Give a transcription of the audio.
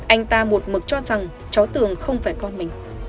anh ta một mực cho rằng cháu tường không phải con mình